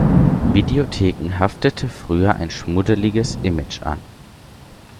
Videotheken haftete früher ein schmuddeliges Image an.